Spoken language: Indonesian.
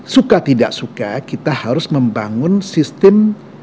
suka tidak suka kita harus membangun sistem